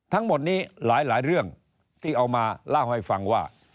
ทั้งหมดนี้หลายเรื่องที่เอามาเล่าให้ฟังว่า